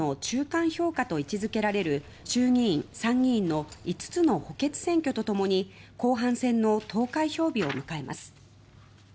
２３日には岸田政権の中間評価と位置づけられる衆議院・参議院の５つの補欠選挙とともに後半戦の投開票日を迎えます。